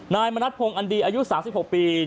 นายมณัฐพงศ์อันดีอายุ๓๖ปี